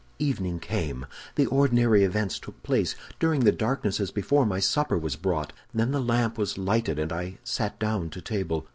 "Evening came; the ordinary events took place. During the darkness, as before, my supper was brought. Then the lamp was lighted, and I sat down to table.